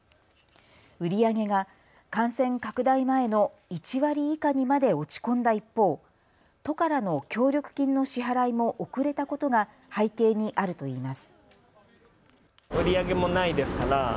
売り上げが感染拡大前の１割以下にまで落ち込んだ一方、都からの協力金の支払いも遅れたことが背景にあるといいます。